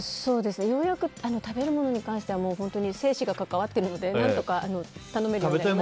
ようやく食べるものに関しては生死が関わってるので何とか頼めるようになりました。